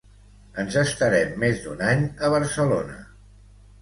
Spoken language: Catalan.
Ens estarem més d'un any a Barcelona